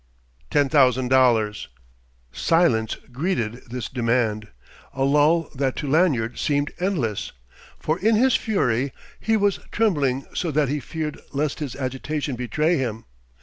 "Ten thousand dollars." Silence greeted this demand, a lull that to Lanyard seemed endless. For in his fury he was trembling so that he feared lest his agitation betray him.